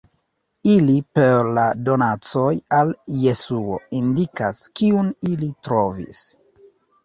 Ili per la donacoj al Jesuo indikas Kiun ili trovis.